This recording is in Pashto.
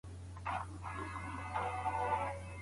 ولي کورني شرکتونه طبي درمل له پاکستان څخه واردوي؟